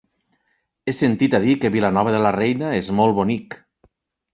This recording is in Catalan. He sentit a dir que Vilanova de la Reina és molt bonic.